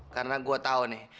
karena gue tahu nih